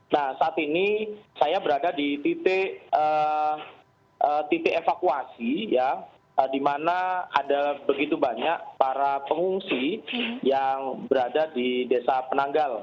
nah saat ini saya berada di titik evakuasi di mana ada begitu banyak para pengungsi yang berada di desa penanggal